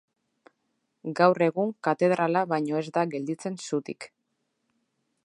Gaur egun katedrala baino ez da gelditzen zutik.